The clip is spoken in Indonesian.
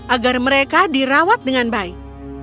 agar mereka dirawat dengan baik